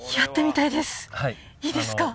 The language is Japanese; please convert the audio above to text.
いいですか？